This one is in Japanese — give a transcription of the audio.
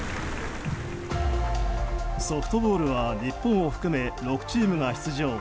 ソフトボールは日本を含め６チームが出場。